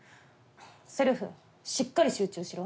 せるふしっかり集中しろ。